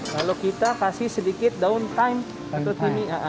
lalu kita kasih sedikit daun thyme atau thyme